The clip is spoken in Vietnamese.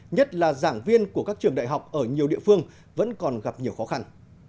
nhất là giảng viên của các trường đại học ở nhiều địa phương vẫn còn gặp nhiều khó khăn